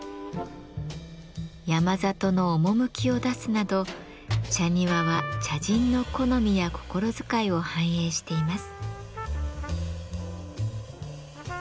山里の趣を出すなど茶庭は茶人の好みや心遣いを反映しています。